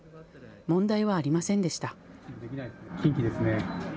問題はありませんでした。